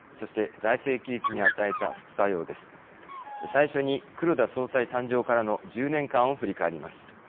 最初に黒田総裁誕生からの１０年間を振り返ります。